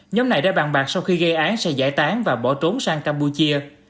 nhóm này đã bạn bạc sau khi gây án xe giải tán và bỏ trốn sang campuchia